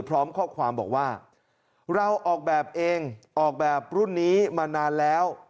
พร้อมข้อความบอกว่าเราออกแบบเองออกแบบรุ่นนี้มานานแล้ว